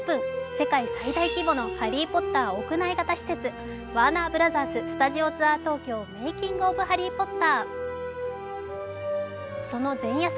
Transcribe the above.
世界最大規模のハリー・ポッター屋内型施設、ワーナーブラザーススタジオツアー東京メイキング・オブ・ハリー・ポッターその前夜祭